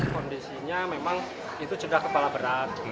kondisinya memang itu sudah kepala berat